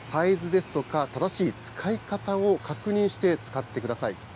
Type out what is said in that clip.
サイズですとか、正しい使い方を確認して使ってください。